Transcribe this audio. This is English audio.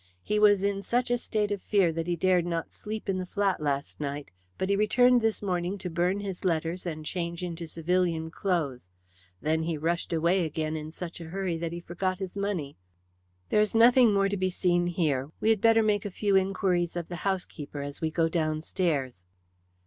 He was in such a state of fear that he dared not sleep in the flat last night, but he returned this morning to burn his letters and change into civilian clothes. Then he rushed away again in such a hurry that he forgot his money. There is nothing more to be seen here. We had better make a few inquiries of the housekeeper as we go downstairs."